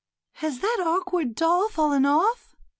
''Has that awkward doll fallen off?"